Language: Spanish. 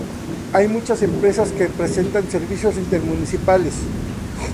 Hay muchas empresas que prestan servicios intermunicipales.